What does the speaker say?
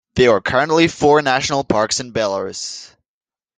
There are currently four national parks in Belarus.